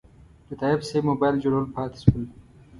د تایب صیب موبایل جوړول پاتې شول.